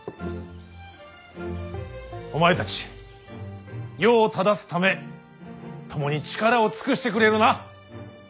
お前たち世を正すため共に力を尽くしてくれるな。